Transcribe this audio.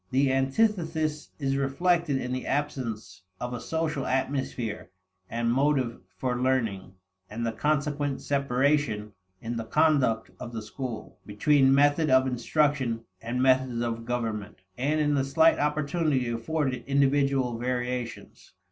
The antithesis is reflected in the absence of a social atmosphere and motive for learning, and the consequent separation, in the conduct of the school, between method of instruction and methods of government; and in the slight opportunity afforded individual variations.